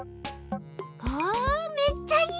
ああめっちゃいい！